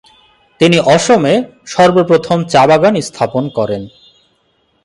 তিনি অসমে সর্বপ্রথম চা-বাগান স্থাপন করেন।